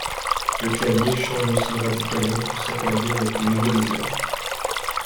Le clavier change aussi radicalement pour s'accorder avec le nouveau design.